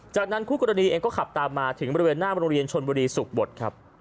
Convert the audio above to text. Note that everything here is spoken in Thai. จากนั้นคู่กรณีเองก็ขับตามมาถึงบริเวณหน้าโรงเรียนชนบุรีสุขบทครับ